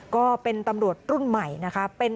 ก็เป็นตำรวจรุ่นใหม่นะคะ